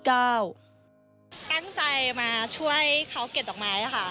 ก็ตั้งใจมาช่วยเขาเก็บดอกไม้ค่ะ